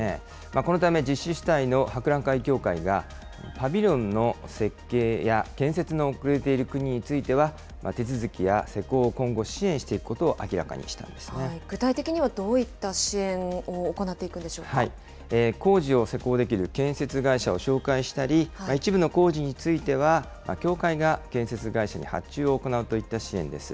このため、実施主体の博覧会協会が、パビリオンの設計や建設の遅れている国については、手続きや施工を今後、支援していくことを明らかにした具体的にはどういった支援を工事を施工できる建設会社を紹介したり、一部の工事については、協会が建設会社に発注を行うといった支援です。